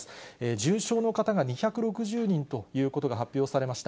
重症の方が２６０人ということが発表されました。